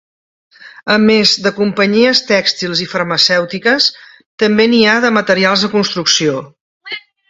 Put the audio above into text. A més de companyies tèxtils i farmacèutiques, també n'hi ha de materials de construcció.